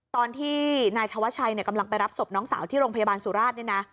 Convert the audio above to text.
ตอนที่นายธวัชชัยกำลังไปรับศพน้องสาวที่โรงพยาบาลสุราชเนี่ยนะ